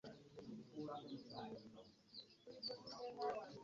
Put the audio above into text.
Mukusokera ddala abantu siriimu baali bamuyita mutego.